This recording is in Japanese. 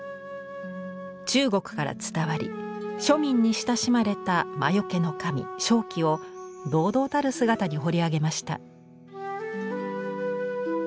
中国から伝わり庶民に親しまれた魔よけの神鍾馗を堂々たる姿に彫り上げました。